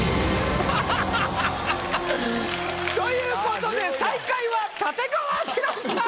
ハハハハ！ということで最下位は立川志らくさん！